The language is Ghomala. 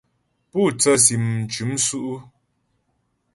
Pú tsə́sim m cʉ́m sʉ́' ʉ́ ?